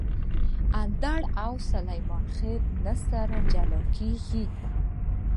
اندړ او سلیمان خېل نه سره جلاکیږي